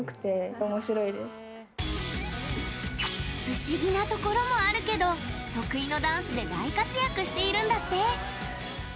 不思議なところもあるけど得意のダンスで大活躍しているんだって。